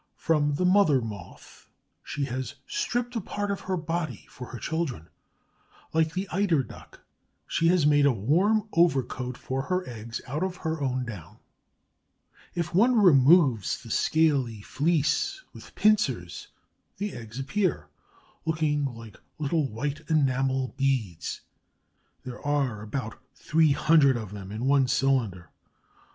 From the mother Moth; she has stripped a part of her body for her children. Like the Eider duck, she has made a warm overcoat for her eggs out of her own down. If one removes the scaly fleece with pincers the eggs appear, looking like little white enamel beads. There are about three hundred of them in one cylinder.